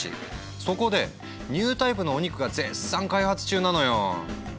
そこでニュータイプのお肉が絶賛開発中なのよ。